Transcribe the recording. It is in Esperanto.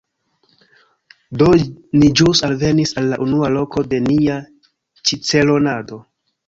Do, ni ĵus alvenis al la unua loko de nia ĉiceronado